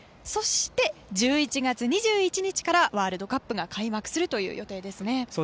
そして、１１月２１日からワールドカップが開幕するという予定ですね。